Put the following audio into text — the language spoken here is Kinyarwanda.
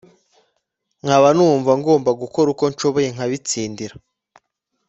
nkaba numva ngomba gukora uko nshoboye nkabitsindira